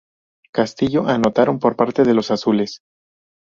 Castillo anotaron por parte de los azules.